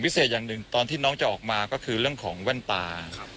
อย่างหนึ่งตอนที่น้องจะออกมาก็คือเรื่องของแว่นตา